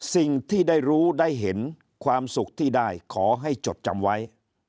สิ่งที่ได้รู้ได้เห็นความสุขที่ได้ขอให้จดจำไว้